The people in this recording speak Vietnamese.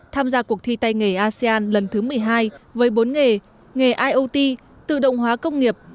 tham gia cuộc thi tay nghề asean lần thứ một mươi hai với bốn nghề nghề nghề iot tự động hóa công nghiệp